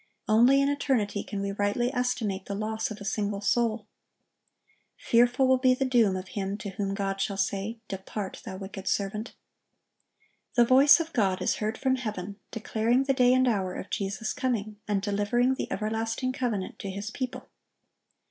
Only in eternity can we rightly estimate the loss of a single soul. Fearful will be the doom of him to whom God shall say, Depart, thou wicked servant. The voice of God is heard from heaven, declaring the day and hour of Jesus' coming, and delivering the everlasting covenant to His people.